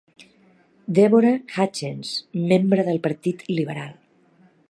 Deborah Hutchens, membre del Partit Liberal.